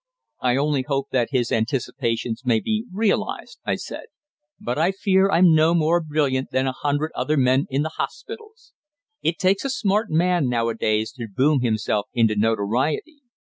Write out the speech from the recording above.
"I only hope that his anticipations may be realized," I said. "But I fear I'm no more brilliant than a hundred other men in the hospitals. It takes a smart man nowadays to boom himself into notoriety.